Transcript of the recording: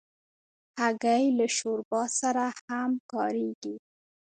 هګۍ له شوربا سره هم کارېږي.